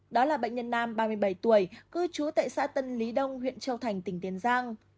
đó là bệnh nhân nam ba mươi bảy tuổi cư trú tại xã tân lý đông huyện châu thành tỉnh tiền giang